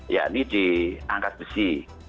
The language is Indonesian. ya ini di angkat besi